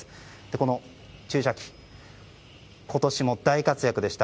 この注射器、今年も大活躍でした。